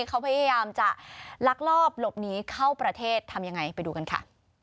เขาพยายามจะลักลอบหลบหนีเข้าประเทศทำยังไงไปดูกันค่ะ